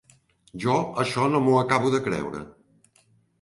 Jo això no m'ho acabo de creure.